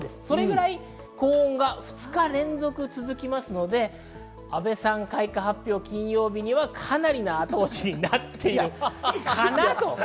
それくらい高温が２日連続、続きますので阿部さん開花発表、金曜日にはかなりなあと押しになっているかなと。